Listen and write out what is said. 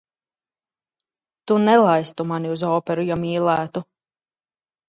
Tu nelaistu mani uz operu, ja mīlētu!